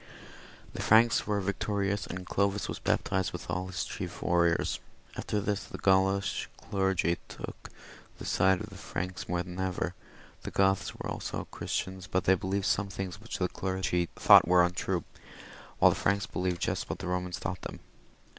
The Franks were victorious, and Clovis was baptized with all his chief warriors. After this the Gaulish clergy took the side of the Franks more than ever ; the Goths were also Christians, but they believed some things which the clergy thought were untrue, while the Franks believed just what the Romans taught them.